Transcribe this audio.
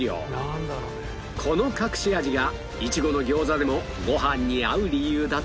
この隠し味がいちごの餃子でもご飯に合う理由だという